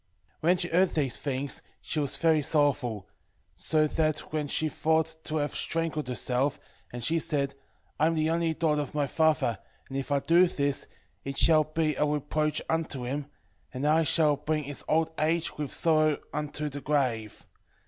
3:10 Whe she heard these things, she was very sorrowful, so that she thought to have strangled herself; and she said, I am the only daughter of my father, and if I do this, it shall be a reproach unto him, and I shall bring his old age with sorrow unto the grave.